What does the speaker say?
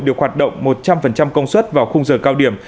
được hoạt động một trăm linh công suất vào khung giờ cao điểm